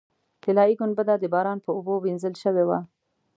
طلایي ګنبده د باران په اوبو وینځل شوې وه.